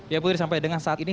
ya putri sampai dengan saat ini